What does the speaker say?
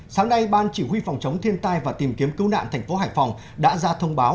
sáng nay ban chỉ huy phòng chống thiên tai và tìm kiếm cứu nạn thành phố hải phòng đã ra thông báo